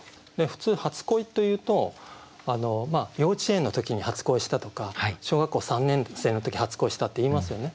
普通「初恋」というと幼稚園の時に初恋したとか小学校３年生の時初恋したっていいますよね。